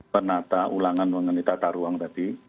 penata ulangan mengenai tatarungan